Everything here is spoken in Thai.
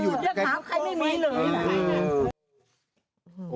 แล้ว